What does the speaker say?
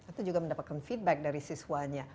atau juga mendapatkan feedback dari siswanya